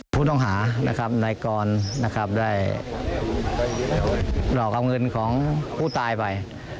ผู้ต้องหาในก่อนได้หลอกเอาเงินของผู้ตายไป